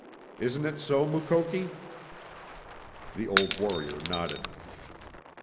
Isn't it so, Mukoki?" The old warrior nodded.